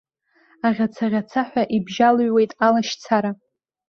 Аӷьаца-ӷьацаҳәа ибжьы алыҩуеит алашьцара.